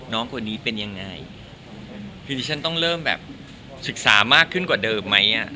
น้องคนนี้เป็นยังไงคือที่ฉันต้องเริ่มแบบศึกษามากขึ้นกว่าเดิมไหมอ่ะ